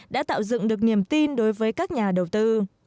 đã tạo dựng được niềm tin đối với các nhà đầu tư